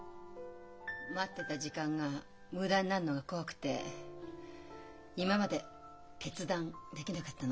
待ってた時間が無駄になるのが怖くて今まで決断できなかったの。